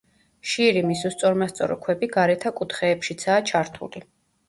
შირიმის, უსწორმასწორო ქვები გარეთა კუთხეებშიცაა ჩართული.